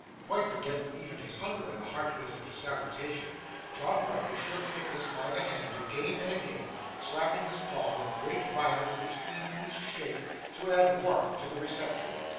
Quite forgetting even his hunger in the heartiness of his salutation, John Browdie shook Nicholas by the hand again and again, slapping his palm with great violence between each shake, to add warmth to the reception.